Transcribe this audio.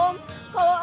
tidak ada apa apa